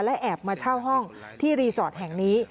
และแอบมาเช่าห้องที่รีสอร์ทแห่งนี้